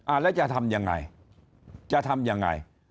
แล้วจะทำยังไงจะทำยังไง